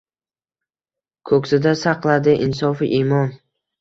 Ko‘ksida saqladi insofu imon.